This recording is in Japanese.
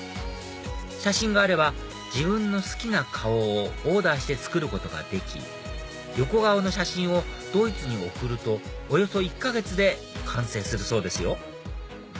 写真があれば自分の好きな顔をオーダーして作ることができ横顔の写真をドイツに送るとおよそ１か月で完成するそうですよ